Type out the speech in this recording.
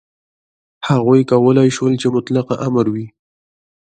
هغوی کولای شول چې مطلق امر وي.